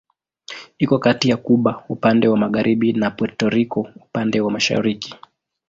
Iko kati ya Kuba upande wa magharibi na Puerto Rico upande wa mashariki.